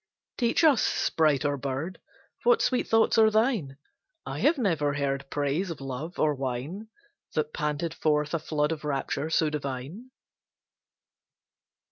Teach us, sprite or bird, What sweet thoughts are thine: I have never heard Praise of love or wine That panted forth a flood of rapture so divine.